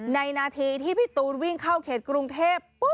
นาทีที่พี่ตูนวิ่งเข้าเขตกรุงเทพ